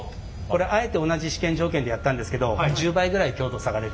これあえて同じ試験条件でやったんですけどえ！